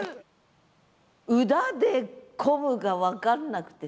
「うだで混む」が分かんなくてさ。